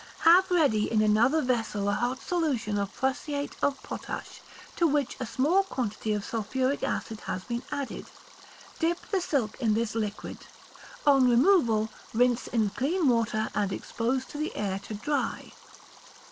Have ready in another vessel a hot solution of prussiate of potash, to which a small quantity of sulphuric acid has been added. Dip the silk in this liquid; on removal rinse in clean water, and expose to the air to dry.